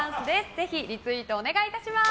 ぜひリツイートお願いします。